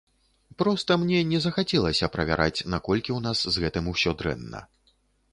Проста мне не захацелася правяраць, наколькі ў нас з гэтым усё дрэнна.